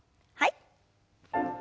はい。